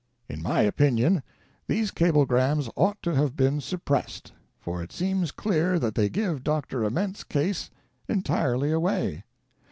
In my opinion, these cablegrams ought to have been suppressed} for it seems clear that they give Dr. Ament's case entirely away.